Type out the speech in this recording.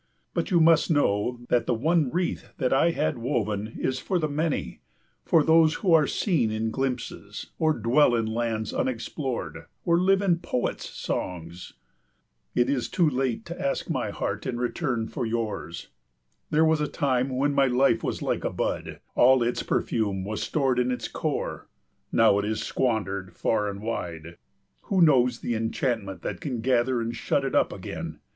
But you must know that the one wreath that I had woven is for the many, for those who are seen in glimpses, or dwell in lands unexplored, or live in poets' songs. It is too late to ask my heart in return for yours. There was a time when my life was like a bud, all its perfume was stored in its core. Now it is squandered far and wide. Who knows the enchantment that can gather and shut it up again?